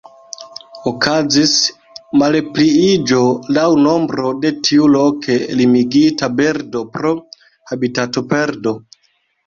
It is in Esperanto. Okazis malpliiĝo laŭ nombro de tiu loke limigita birdo pro habitatoperdo.